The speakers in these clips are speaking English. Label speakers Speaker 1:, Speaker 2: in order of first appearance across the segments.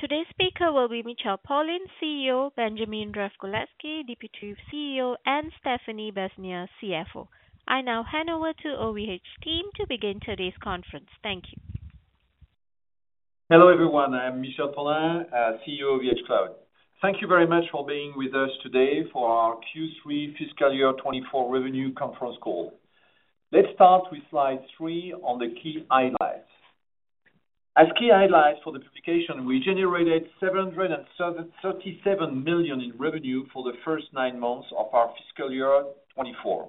Speaker 1: Today's speaker will be Michel Paulin, CEO, Benjamin Revcolevschi, Deputy CEO, and Stéphanie Besnier, CFO. I now hand over to OVH's team to begin today's conference. Thank you.
Speaker 2: Hello everyone. I'm Michel Paulin, CEO of OVHcloud. Thank you very much for being with us today for our Q3 Fiscal Year 2024 Revenue Conference Call. Let's start with slide three on the key highlights. As key highlights for the publication, we generated 737 million in revenue for the first nine months of our Fiscal Year 2024,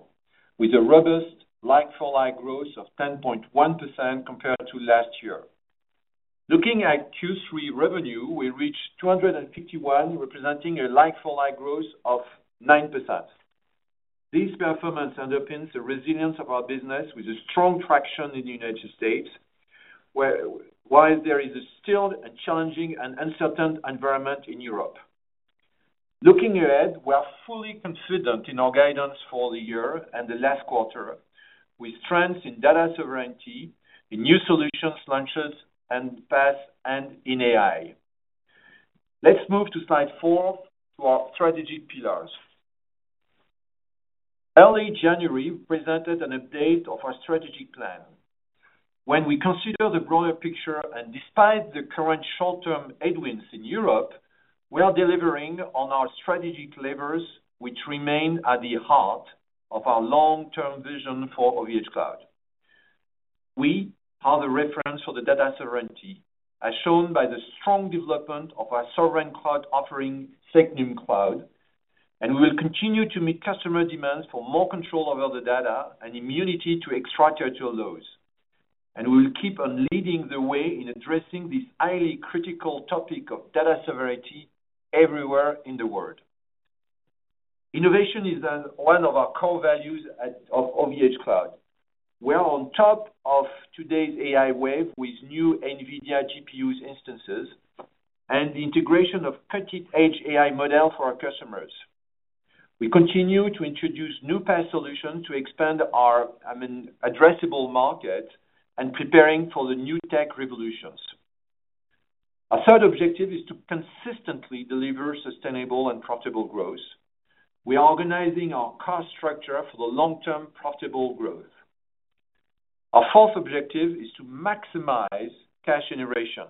Speaker 2: with a robust like-for-like growth of 10.1% compared to last year. Looking at Q3 revenue, we reached 251 million, representing a like-for-like growth of 9%. This performance underpins the resilience of our business with a strong traction in the United States, while there is still a challenging and uncertain environment in Europe. Looking ahead, we are fully confident in our guidance for the year and the last quarter, with strengths in data sovereignty, in new solutions launched in the past, and in AI. Let's move to slide four, to our strategy pillars. Early January presented an update of our strategic plan. When we consider the broader picture, and despite the current short-term headwinds in Europe, we are delivering on our strategic levers, which remain at the heart of our long-term vision for OVHcloud. We, as the reference for the data sovereignty, are shown by the strong development of our sovereign cloud offering, SecNumCloud, and we will continue to meet customer demands for more control over the data and immunity to extraterritorial laws. We will keep on leading the way in addressing this highly critical topic of data sovereignty everywhere in the world. Innovation is one of our core values of OVHcloud. We are on top of today's AI wave with new NVIDIA GPU instances and the integration of packaged AI models for our customers. We continue to introduce new PaaS solutions to expand our addressable market and prepare for the new tech revolutions. Our third objective is to consistently deliver sustainable and profitable growth. We are organizing our cost structure for the long-term profitable growth. Our fourth objective is to maximize cash generation.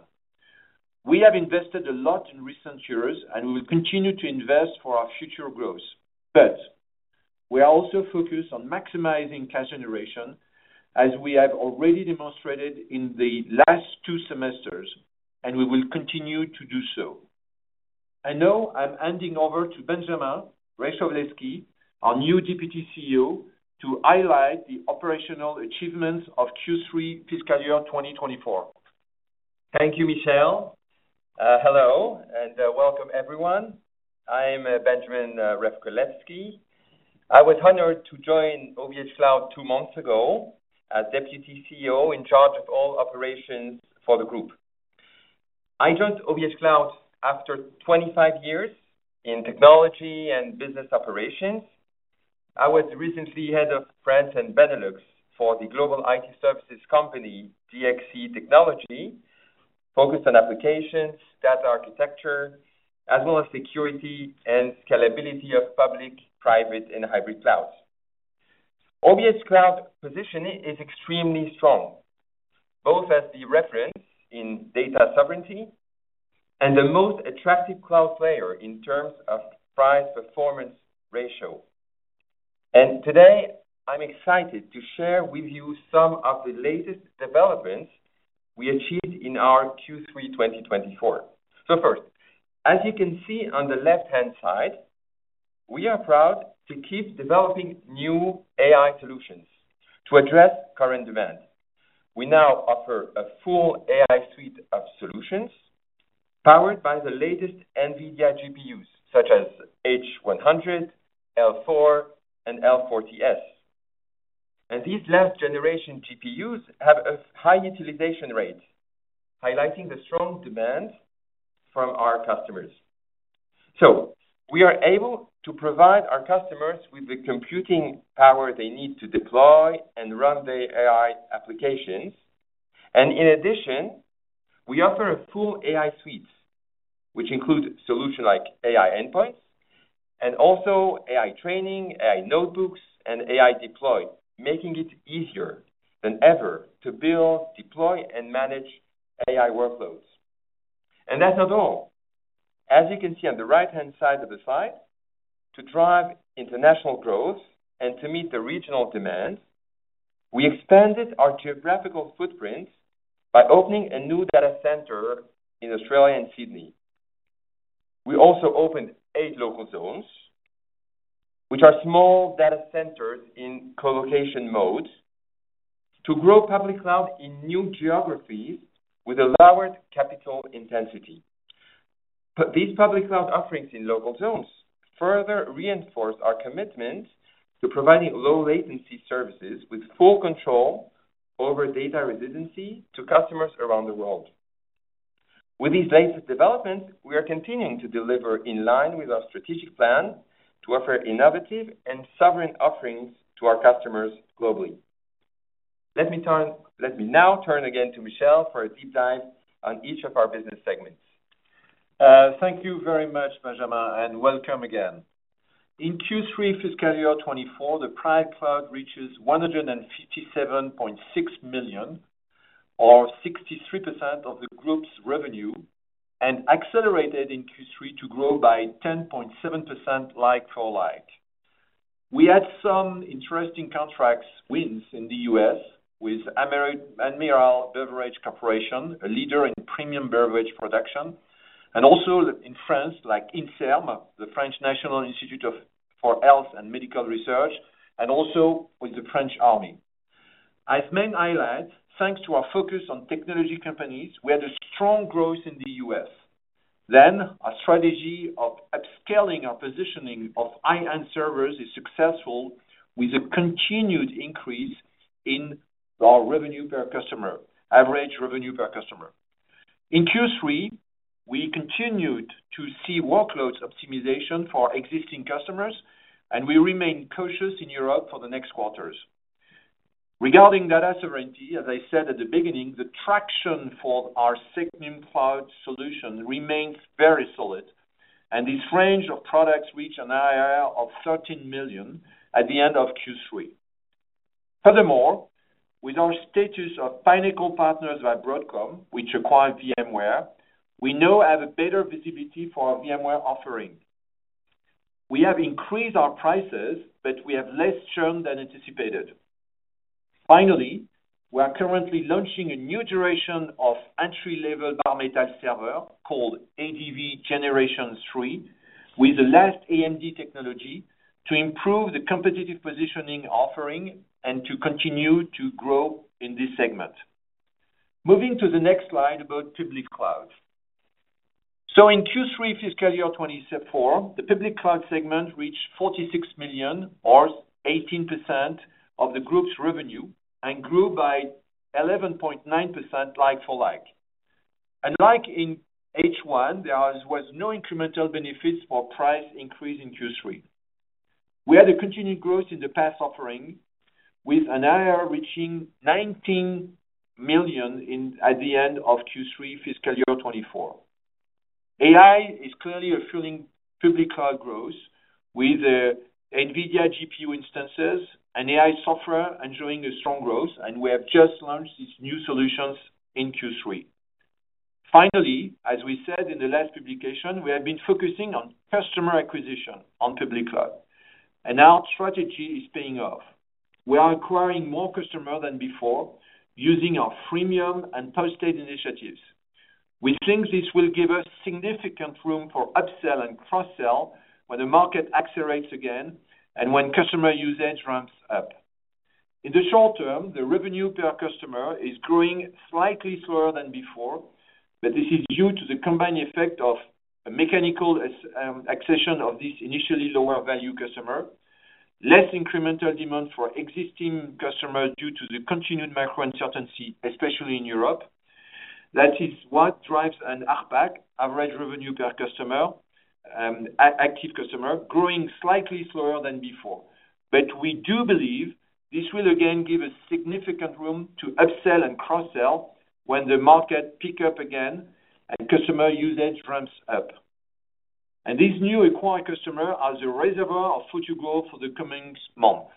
Speaker 2: We have invested a lot in recent years, and we will continue to invest for our future growth. But we are also focused on maximizing cash generation, as we have already demonstrated in the last two semesters, and we will continue to do so. I know I'm handing over to Benjamin Revcolevschi, our new Deputy CEO, to highlight the operational achievements of Q3 Fiscal Year 2024.
Speaker 3: Thank you, Michel. Hello, and welcome everyone. I'm Benjamin Revcolevschi. I was honored to join OVHcloud two months ago as Deputy CEO in charge of all operations for the group. I joined OVHcloud after 25 years in technology and business operations. I was recently head of France and Benelux for the global IT services company, DXC Technology, focused on applications, data architecture, as well as security and scalability of public, private, and hybrid clouds. OVHcloud's position is extremely strong, both as the reference in data sovereignty and the most attractive cloud player in terms of price-performance ratio. And today, I'm excited to share with you some of the latest developments we achieved in our Q3 2024. So first, as you can see on the left-hand side, we are proud to keep developing new AI solutions to address current demand. We now offer a full AI suite of solutions powered by the latest NVIDIA GPUs, such as H100, L4, and L40S. These last-generation GPUs have a high utilization rate, highlighting the strong demand from our customers. We are able to provide our customers with the computing power they need to deploy and run their AI applications. In addition, we offer a full AI suite, which includes solutions like AI Endpoints and also AI Training, AI Notebooks, and AI Deploy, making it easier than ever to build, deploy, and manage AI workloads. That's not all. As you can see on the right-hand side of the slide, to drive international growth and to meet the regional demands, we expanded our geographical footprint by opening a new data center in Australia and Sydney. We also opened eight local zones, which are small data centers in colocation mode, to grow public cloud in new geographies with a lowered capital intensity. These public cloud offerings in local zones further reinforce our commitment to providing low-latency services with full control over data resiliency to customers around the world. With these latest developments, we are continuing to deliver in line with our strategic plan to offer innovative and sovereign offerings to our customers globally. Let me now turn again to Michel for a deep dive on each of our business segments.
Speaker 2: Thank you very much, Benjamin, and welcome again. In Q3 Fiscal Year 2024, the private cloud reaches 157.6 million, or 63% of the group's revenue, and accelerated in Q3 to grow by 10.7% like-for-like. We had some interesting contract wins in the U.S. with Admiral Beverage Corporation, a leader in premium beverage production, and also in France, like INSERM, the French National Institute for Health and Medical Research, and also with the French Army. As a main highlight, thanks to our focus on technology companies, we had a strong growth in the U.S. Our strategy of upscaling our positioning of high-end servers is successful with a continued increase in our revenue per customer, average revenue per customer. In Q3, we continued to see workload optimization for existing customers, and we remain cautious in Europe for the next quarters. Regarding data sovereignty, as I said at the beginning, the traction for our SecNumCloud solution remains very solid, and this range of products reached an ARR of 13 million at the end of Q3. Furthermore, with our status of pinnacle partners by Broadcom, which acquired VMware, we now have a better visibility for our VMware offering. We have increased our prices, but we have less churn than anticipated. Finally, we are currently launching a new generation of entry-level bare metal server called Advance Gen3 with the last AMD technology to improve the competitive positioning offering and to continue to grow in this segment. Moving to the next slide about public cloud. So in Q3 Fiscal Year 2024, the public cloud segment reached 46 million, or 18% of the group's revenue, and grew by 11.9% like-for-like. And like in H1, there was no incremental benefits for price increase in Q3. We had a continued growth in the PaaS offering, with an ARR reaching 19 million at the end of Q3 Fiscal Year 2024. AI is clearly fueling public cloud growth with NVIDIA GPU instances and AI software enjoying a strong growth, and we have just launched these new solutions in Q3. Finally, as we said in the last publication, we have been focusing on customer acquisition on public cloud, and our strategy is paying off. We are acquiring more customers than before using our freemium and post-paid initiatives. We think this will give us significant room for upsell and cross-sell when the market accelerates again and when customer usage ramps up. In the short term, the revenue per customer is growing slightly slower than before, but this is due to the combined effect of mechanical acquisition of this initially lower-value customer, less incremental demand for existing customers due to the continued macro-uncertainty, especially in Europe. That is what drives an ARPAC, average revenue per customer, active customer, growing slightly slower than before. But we do believe this will again give us significant room to upsell and cross-sell when the market picks up again and customer usage ramps up. And these new acquired customers are the reservoir of future growth for the coming months.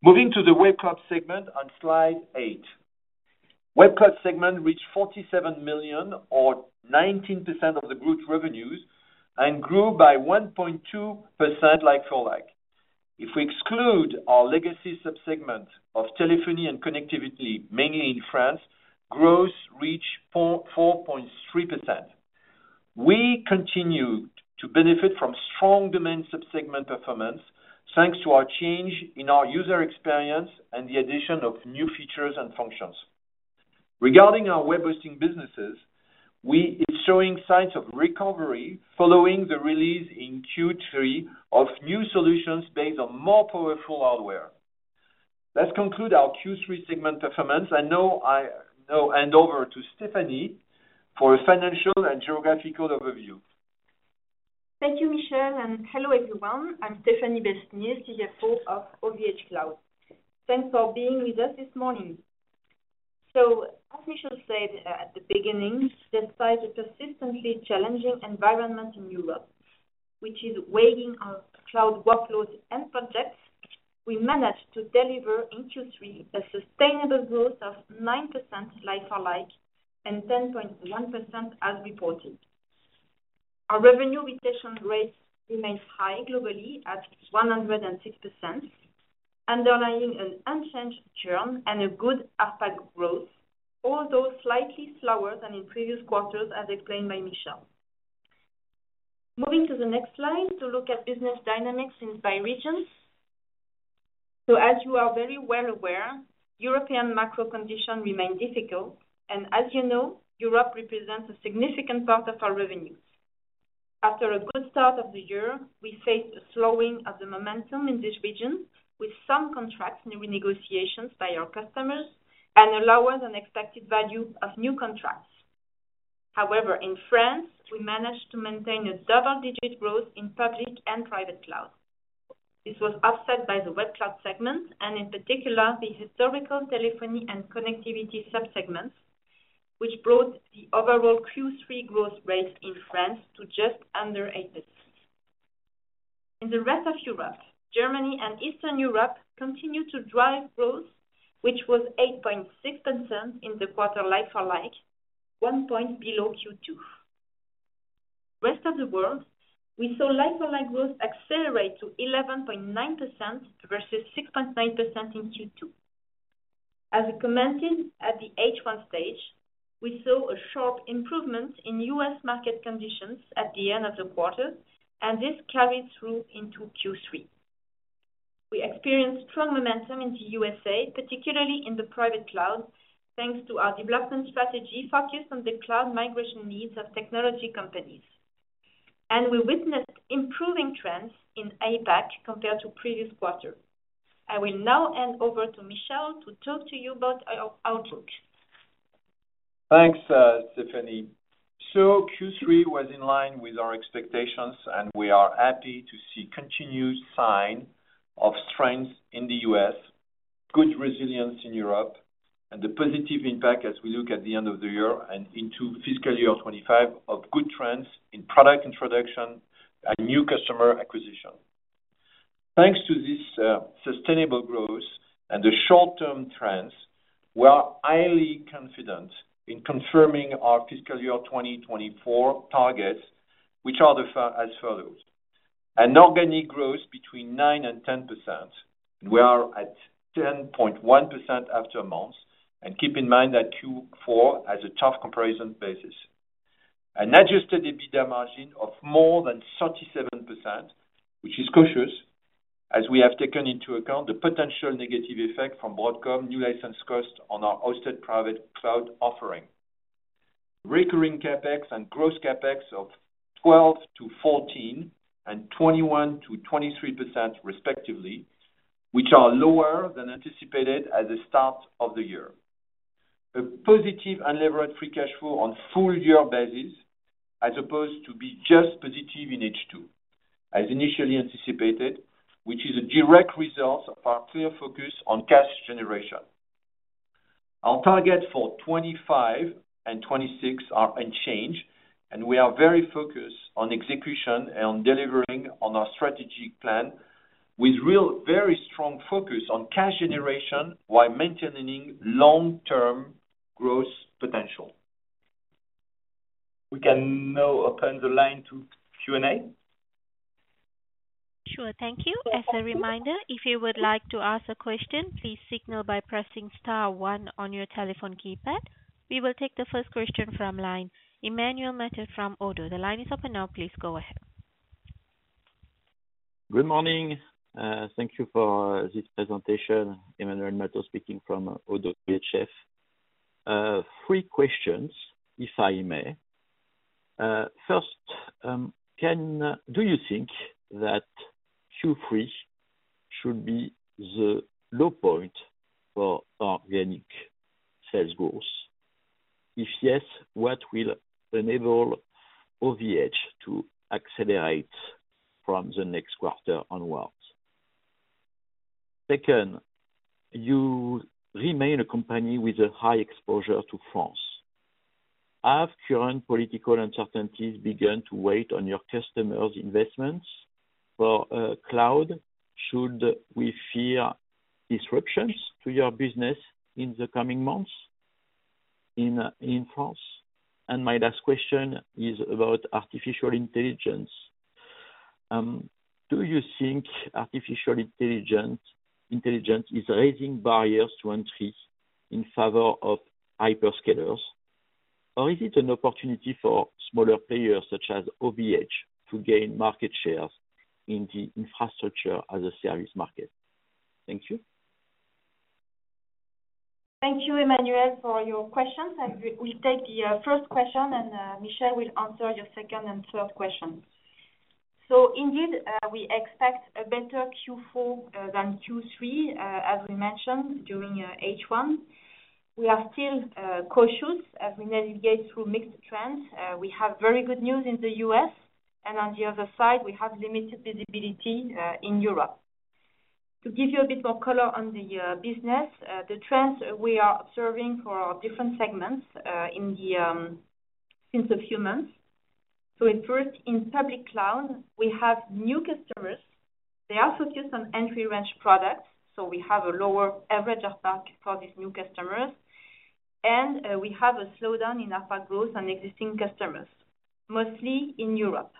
Speaker 2: Moving to the Web Cloud segment on slide 8. Web Cloud segment reached 47 million, or 19% of the group's revenues, and grew by 1.2% like-for-like. If we exclude our legacy subsegment of telephony and connectivity, mainly in France, growth reached 4.3%. We continue to benefit from strong demand subsegment performance thanks to our change in our user experience and the addition of new features and functions. Regarding our web hosting businesses, we are showing signs of recovery following the release in Q3 of new solutions based on more powerful hardware. Let's conclude our Q3 segment performance, and now I hand over to Stéphanie for a financial and geographical overview.
Speaker 1: Thank you, Michel, and hello everyone. I'm Stéphanie Besnier, CFO of OVHcloud. Thanks for being with us this morning. As Michel said at the beginning, despite the persistently challenging environment in Europe, which is weighing our cloud workloads and projects, we managed to deliver in Q3 a sustainable growth of 9% like-for-like and 10.1% as reported. Our revenue retention rate remains high globally at 106%, underlying an unchanged churn and a good ARPAC growth, although slightly slower than in previous quarters, as explained by Michel. Moving to the next slide to look at business dynamics by region. As you are very well aware, European macro conditions remain difficult, and as you know, Europe represents a significant part of our revenues. After a good start of the year, we faced a slowing of the momentum in this region, with some contracts in renegotiations by our customers and a lower than expected value of new contracts. However, in France, we managed to maintain a double-digit growth in public and private cloud. This was offset by the web cloud segment, and in particular, the historical telephony and connectivity subsegments, which brought the overall Q3 growth rate in France to just under 8%. In the rest of Europe, Germany and Eastern Europe continued to drive growth, which was 8.6% in the quarter like-for-like, one point below Q2. Rest of the world, we saw like-for-like growth accelerate to 11.9% versus 6.9% in Q2. As we commented at the H1 stage, we saw a sharp improvement in U.S. market conditions at the end of the quarter, and this carried through into Q3. We experienced strong momentum in the USA, particularly in the private cloud, thanks to our development strategy focused on the cloud migration needs of technology companies. We witnessed improving trends in APAC compared to previous quarter. I will now hand over to Michel to talk to you about our Outlook.
Speaker 3: Thanks, Stéphanie. So, Q3 was in line with our expectations, and we are happy to see continued signs of strength in the U.S., good resilience in Europe, and the positive impact as we look at the end of the year and into Fiscal Year 2025 of good trends in product introduction and new customer acquisition. Thanks to this sustainable growth and the short-term trends, we are highly confident in confirming our Fiscal Year 2024 targets, which are as follows: an organic growth between 9% and 10%. We are at 10.1% after a month, and keep in mind that Q4 has a tough comparison basis. An adjusted EBITDA margin of more than 37%, which is cautious as we have taken into account the potential negative effect from Broadcom new license costs on our hosted private cloud offering. Recurring CapEx and gross CapEx of 12%-14% and 21%-23% respectively, which are lower than anticipated at the start of the year. A positive unleveraged free cash flow on a full-year basis as opposed to being just positive in H2, as initially anticipated, which is a direct result of our clear focus on cash generation. Our targets for 2025 and 2026 are unchanged, and we are very focused on execution and delivering on our strategic plan with real very strong focus on cash generation while maintaining long-term growth potential. We can now open the line to Q&A.
Speaker 4: Sure, thank you. As a reminder, if you would like to ask a question, please signal by pressing star one on your telephone keypad. We will take the first question from line. Emmanuel Matot from ODDO BHF. The line is open now. Please go ahead.
Speaker 5: Good morning. Thank you for this presentation. Emmanuel Matot speaking from ODDO BHF. Three questions, if I may. First, do you think that Q3 should be the low point for organic sales growth? If yes, what will enable OVH to accelerate from the next quarter onwards? Second, you remain a company with a high exposure to France. Have current political uncertainties begun to weigh on your customers' investments for cloud? Should we fear disruptions to your business in the coming months in France? And my last question is about artificial intelligence. Do you think artificial intelligence is raising barriers to entry in favor of hyperscalers, or is it an opportunity for smaller players such as OVH to gain market shares in the infrastructure as a service market? Thank you.
Speaker 1: Thank you, Emmanuel, for your questions. We'll take the first question, and Michel will answer your second and third questions. So, indeed, we expect a better Q4 than Q3, as we mentioned during H1. We are still cautious as we navigate through mixed trends. We have very good news in the US, and on the other side, we have limited visibility in Europe. To give you a bit more color on the business, the trends we are observing for different segments since a few months. So, first, in public cloud, we have new customers. They are focused on entry-range products, so we have a lower average ARPAC for these new customers, and we have a slowdown in ARPAC growth on existing customers, mostly in Europe.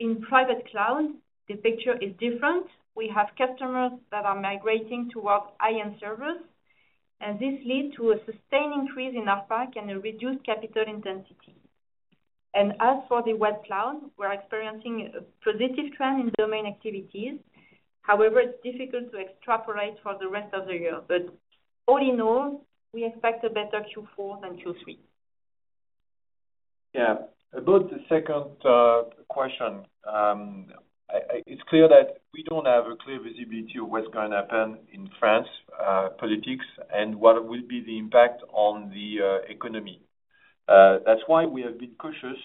Speaker 1: In private cloud, the picture is different. We have customers that are migrating towards high-end servers, and this leads to a sustained increase in ARPAC and a reduced capital intensity. As for the Web Cloud, we're experiencing a positive trend in domain activities. However, it's difficult to extrapolate for the rest of the year, but all in all, we expect a better Q4 than Q3.
Speaker 3: Yeah. About the second question, it's clear that we don't have a clear visibility of what's going to happen in French politics and what will be the impact on the economy. That's why we have been cautious,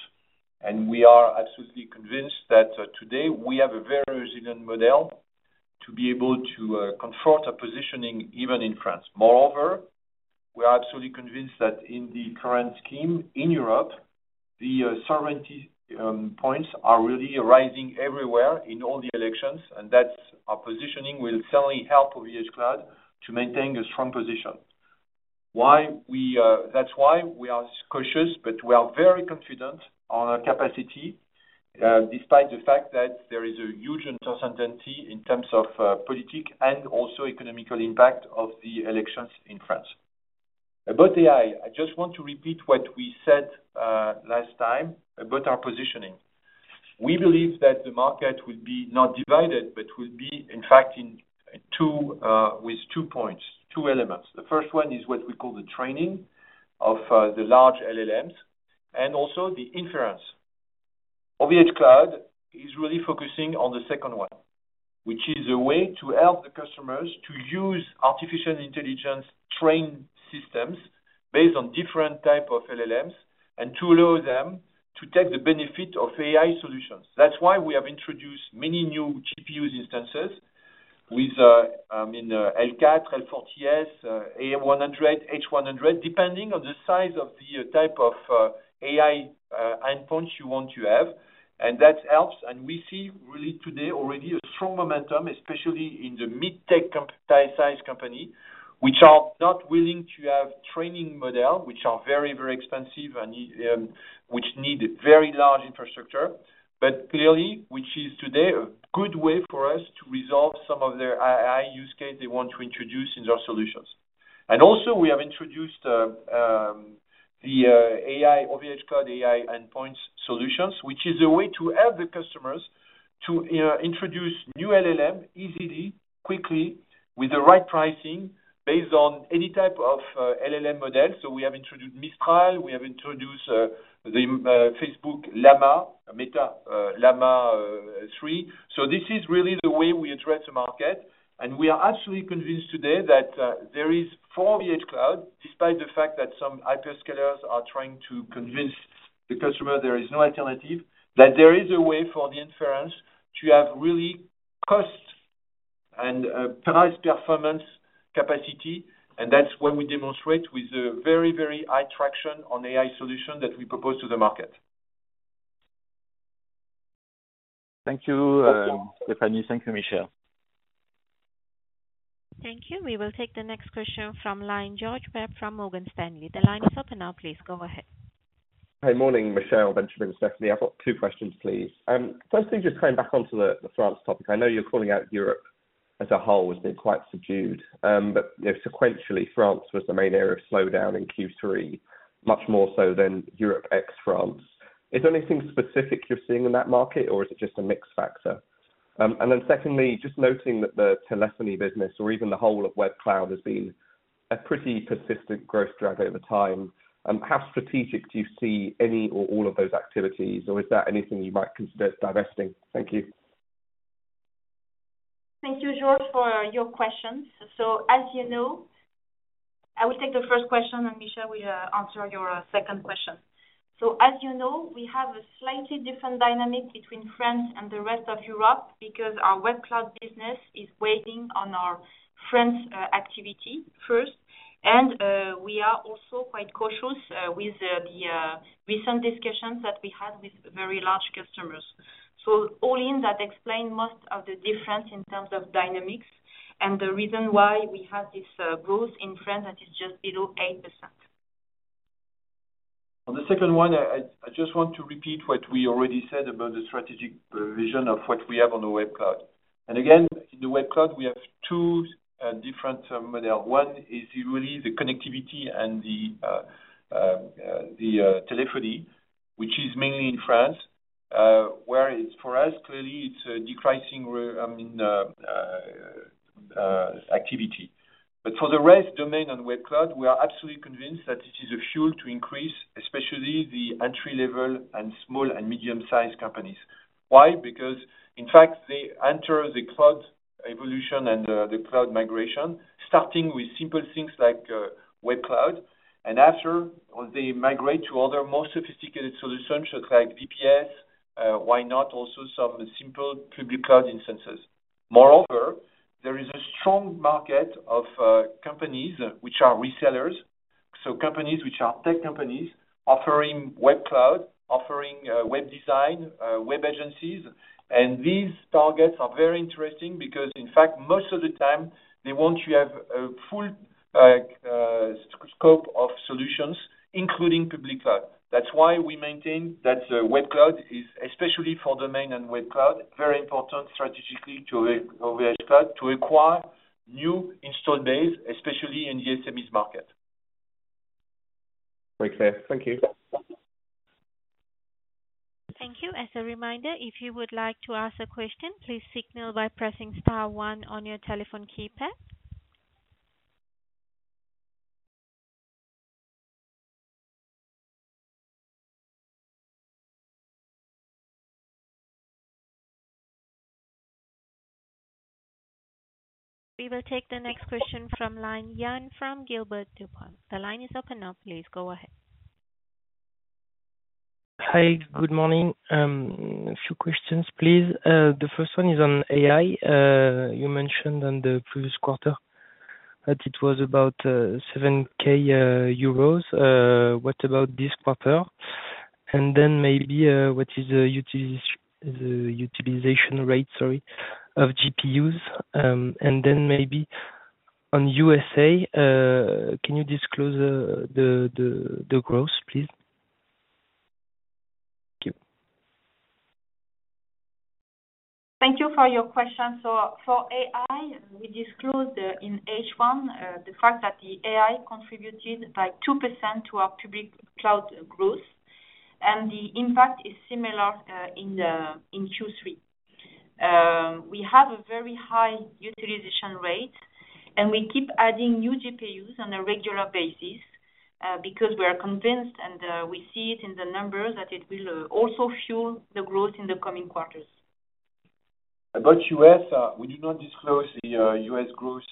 Speaker 3: and we are absolutely convinced that today we have a very resilient model to be able to confront our positioning even in France. Moreover, we are absolutely convinced that in the current scheme in Europe, the sovereignty points are really rising everywhere in all the elections, and that our positioning will certainly help OVHcloud to maintain a strong position. That's why we are cautious, but we are very confident on our capacity despite the fact that there is a huge uncertainty in terms of politics and also economic impact of the elections in France. About AI, I just want to repeat what we said last time about our positioning. We believe that the market will be not divided, but will be, in fact, with two points, two elements. The first one is what we call the training of the large LLMs and also the inference. OVHcloud is really focusing on the second one, which is a way to help the customers to use artificial intelligence trained systems based on different types of LLMs and to allow them to take the benefit of AI solutions. That's why we have introduced many new GPU instances with, I mean, L40S, A100, H100, depending on the size of the type of AI Endpoints you want to have. And that helps, and we see really today already a strong momentum, especially in the mid-tech size companies, which are not willing to have training models, which are very, very expensive and which need very large infrastructure, but clearly, which is today a good way for us to resolve some of their AI use case they want to introduce in their solutions. And also, we have introduced the AI OVHcloud AI Endpoints solutions, which is a way to help the customers to introduce new LLMs easily, quickly, with the right pricing based on any type of LLM model. We have introduced Mistral. We have introduced the Facebook Llama, Meta Llama 3. So, this is really the way we address the market, and we are absolutely convinced today that there is for OVHcloud, despite the fact that some hyperscalers are trying to convince the customer there is no alternative, that there is a way for the inference to have really cost and price performance capacity, and that's what we demonstrate with a very, very high traction on AI solutions that we propose to the market.
Speaker 5: Thank you, Stéphanie. Thank you, Michel.
Speaker 4: Thank you. We will take the next question from line. George Webb from Morgan Stanley. The line is open now. Please go ahead
Speaker 6: Hi, morning, Michel, Benjamin, Stéphanie. I've got two questions, please. Firstly, just coming back onto the France topic, I know you're calling out Europe as a whole as being quite subdued, but sequentially, France was the main area of slowdown in Q3, much more so than Europe ex France. Is there anything specific you're seeing in that market, or is it just a mixed factor? And then secondly, just noting that the telephony business or even the whole of Web Cloud has been a pretty persistent growth drag over time, how strategic do you see any or all of those activities, or is that anything you might consider divesting? Thank you.
Speaker 1: Thank you, George, for your questions. So, as you know, I will take the first question, and Michel will answer your second question. So, as you know, we have a slightly different dynamic between France and the rest of Europe because our Web Cloud business is weighted on our France activity first, and we are also quite cautious with the recent discussions that we had with very large customers. So, all in, that explains most of the difference in terms of dynamics and the reason why we have this growth in France that is just below 8%.
Speaker 3: On the second one, I just want to repeat what we already said about the strategic vision of what we have on the Web Cloud. And again, in the Web Cloud, we have two different models. One is really the connectivity and the telephony, which is mainly in France, whereas for us, clearly, it's a decreasing activity. But for the rest domain on Web Cloud, we are absolutely convinced that it is a fuel to increase, especially the entry-level and small and medium-sized companies. Why? Because, in fact, they enter the cloud evolution and the cloud migration, starting with simple things like Web Cloud, and after, they migrate to other more sophisticated solutions like VPS, why not also some simple Public Cloud instances. Moreover, there is a strong market of companies which are resellers, so companies which are tech companies offering Web Cloud, offering web design, web agencies, and these targets are very interesting because, in fact, most of the time, they want to have a full scope of solutions, including Public Cloud. That's why we maintain that Web Cloud is, especially for domain and Web Cloud, very important strategically to OVHcloud to acquire new installed base, especially in the SMEs market.
Speaker 6: Thank you.
Speaker 4: Thank you. As a reminder, if you would like to ask a question, please signal by pressing star one on your telephone keypad. We will take the next question from line, Yann from Gilbert Dupont. The line is open now. Please go ahead.
Speaker 7: Hi, good morning. A few questions, please. The first one is on AI. You mentioned on the previous quarter that it was about 7,000 euros. What about this quarter? And then maybe what is the utilization rate, sorry, of GPUs? And then maybe on USA, can you disclose the growth, please? Thank you.
Speaker 1: Thank you for your question. So, for AI, we disclosed in H1 the fact that the AI contributed by 2% to our public cloud growth, and the impact is similar in Q3. We have a very high utilization rate, and we keep adding new GPUs on a regular basis because we are convinced, and we see it in the numbers, that it will also fuel the growth in the coming quarters.
Speaker 3: About U.S., we do not disclose the U.S. growth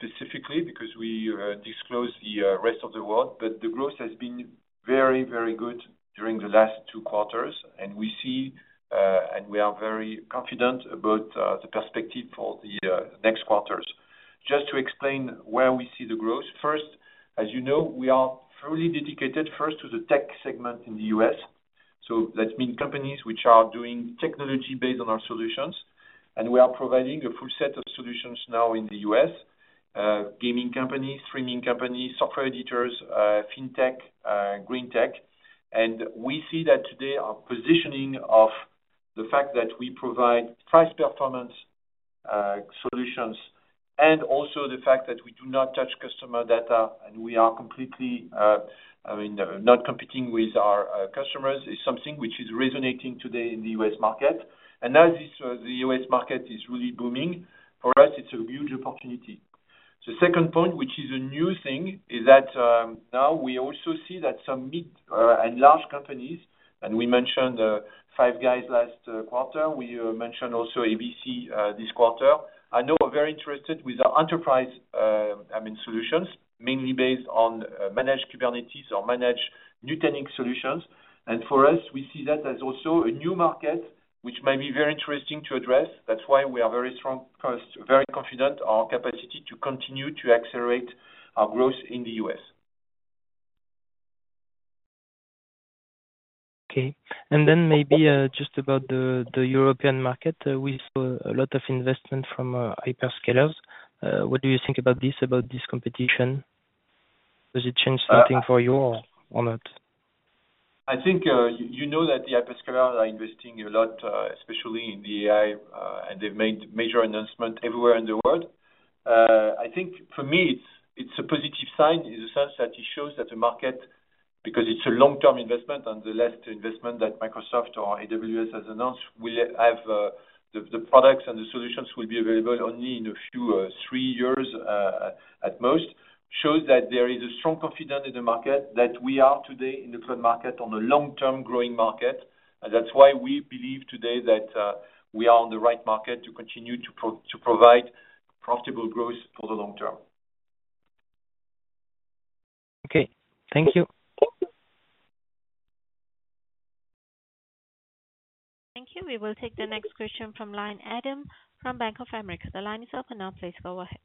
Speaker 3: specifically because we disclose the rest of the world, but the growth has been very, very good during the last two quarters, and we see, and we are very confident about the perspective for the next quarters. Just to explain where we see the growth, first, as you know, we are fully dedicated first to the tech segment in the U.S. So, that means companies which are doing technology based on our solutions, and we are providing a full set of solutions now in the U.S.: gaming companies, streaming companies, software editors, fintech, green tech. We see that today our positioning of the fact that we provide price performance solutions and also the fact that we do not touch customer data and we are completely, I mean, not competing with our customers is something which is resonating today in the US market. As the US market is really booming, for us, it's a huge opportunity. The second point, which is a new thing, is that now we also see that some mid and large companies, and we mentioned Five Guys last quarter. We mentioned also ABC this quarter. I know we're very interested with our enterprise, I mean, solutions, mainly based on managed Kubernetes or managed Nutanix solutions. For us, we see that as also a new market which may be very interesting to address. That's why we are very strong, very confident in our capacity to continue to accelerate our growth in the U.S.
Speaker 7: Okay. And then maybe just about the European market, we saw a lot of investment from hyperscalers. What do you think about this, about this competition? Does it change something for you or not?
Speaker 3: I think you know that the hyperscalers are investing a lot, especially in the AI, and they've made major announcements everywhere in the world. I think for me, it's a positive sign in the sense that it shows that the market, because it's a long-term investment and the last investment that Microsoft or AWS has announced, will have the products and the solutions will be available only in a few, three years at most, shows that there is a strong confidence in the market that we are today in the cloud market on a long-term growing market. That's why we believe today that we are on the right market to continue to provide profitable growth for the long term.
Speaker 7: Okay. Thank you.
Speaker 4: Thank you. We will take the next question from line, Adam from Bank of America. The line is open now. Please go ahead.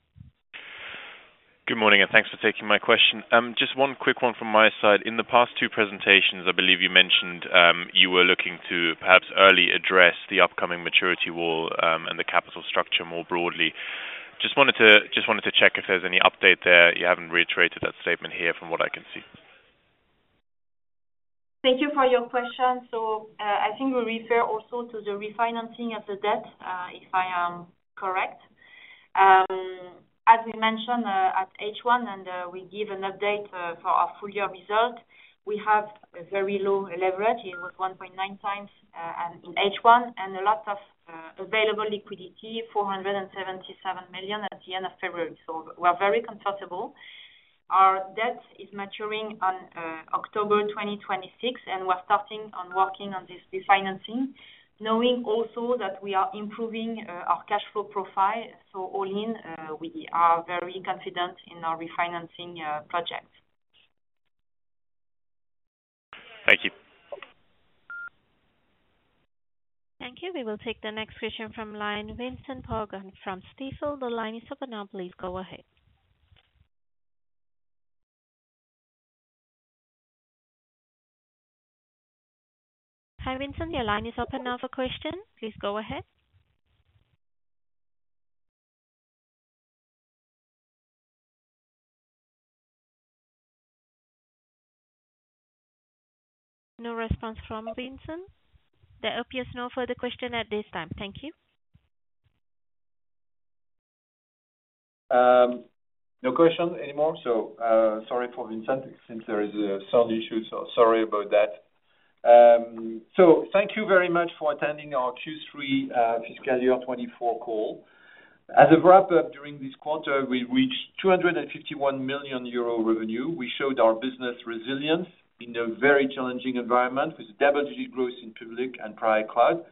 Speaker 8: Good morning, and thanks for taking my question. Just one quick one from my side. In the past two presentations, I believe you mentioned you were looking to perhaps early address the upcoming maturity wall and the capital structure more broadly. Just wanted to check if there's any update there? You haven't reiterated that statement here from what I can see.
Speaker 1: Thank you for your question. So, I think we refer also to the refinancing of the debt, if I am correct. As we mentioned at H1, and we give an update for our full year result, we have a very low leverage. It was 1.9 times in H1 and a lot of available liquidity, 477 million at the end of February. So, we're very comfortable. Our debt is maturing on October 2026, and we're starting on working on this refinancing, knowing also that we are improving our cash flow profile. So, all in, we are very confident in our refinancing project.
Speaker 8: Thank you.
Speaker 4: Thank you. We will take the next question from line, Vincent Paulin from Stifel. The line is open. Please go ahead. Hi, Vincent. The line is open now for questions. Please go ahead. No response from Vincent. There appears no further question at this time. Thank you.
Speaker 3: No questions anymore. Sorry for Vincent since there is a sound issue. Sorry about that. Thank you very much for attending our Q3 Fiscal Year 2024 call. As a wrap-up, during this quarter, we reached 251 million euro revenue. We showed our business resilience in a very challenging environment with double-digit growth in public and private cloud,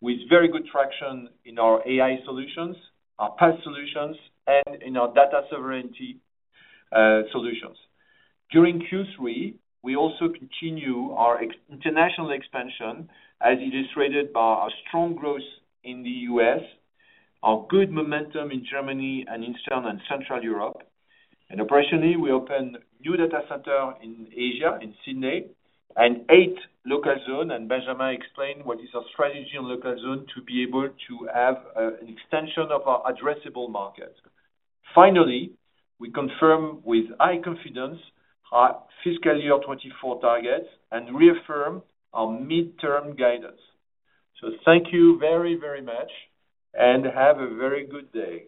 Speaker 3: with very good traction in our AI solutions, our PASS solutions, and in our data sovereignty solutions. During Q3, we also continued our international expansion, as illustrated by our strong growth in the U.S., our good momentum in Germany and Eastern and Central Europe. Operationally, we opened new data centers in Asia, in Sydney, and 8 local zones. Benjamin explained what is our strategy on local zones to be able to have an extension of our addressable market. Finally, we confirmed with high confidence our Fiscal Year 2024 targets and reaffirmed our midterm guidance. Thank you very, very much, and have a very good day.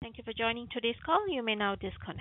Speaker 4: Thank you for joining today's call. You may now disconnect.